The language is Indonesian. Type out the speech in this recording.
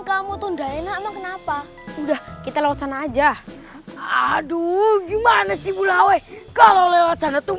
kamu tuh enggak enak kenapa udah kita langsung aja aduh gimana sih bulawe kalau lewat sana tuh